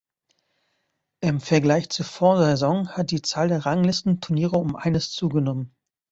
Im Vergleich zur Vorsaison hat die Zahl der Ranglistenturniere um eines zugenommen.